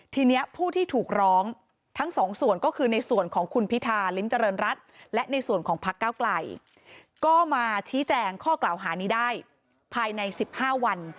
ทีนี้ผู้ที่ถูกร้องทั้งสองส่วนก็คือในส่วนของคุณพิธาลิ้มเจริญรัฐและในส่วนของพักเก้าไกลก็มาชี้แจงข้อกล่าวหานี้ได้ภายใน๑๕วัน